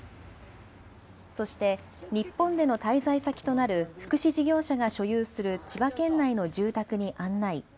そして、日本での滞在先となる福祉事業者が所有する千葉県内の住宅に案内。